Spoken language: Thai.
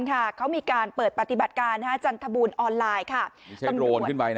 เขาก็มีการเปิดปฏิบัติการจันทบุรีออนไลน์